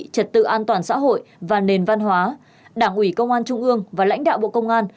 trật tự an toàn xã hội và nền văn hóa đảng ủy công an trung ương và lãnh đạo bộ công an